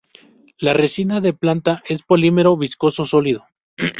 La resina de planta es polímero viscoso sólido.